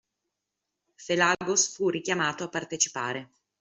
Felagos fu richiamato a partecipare